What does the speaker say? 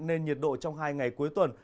nên nhiệt độ trong hai ngày cuối tuần